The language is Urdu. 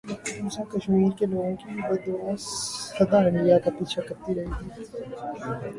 مقبوضہ کشمیر کے لوگوں کی بددعا سدا انڈیا کا پیچھا کرتی رہے گی